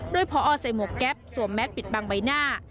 โดยพอใส่หมวกแก๊ปสวมแมสปิดบังใบหน้า